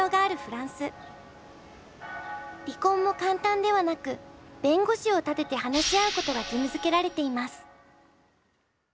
離婚も簡単ではなく弁護士を立てて話し合うことが義務づけられています。